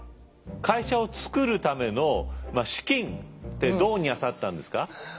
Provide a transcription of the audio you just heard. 会社を作るための資金てどうにゃさったんですか？